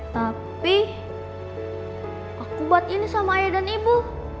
tapi aku buat ini sama ayah dan ibu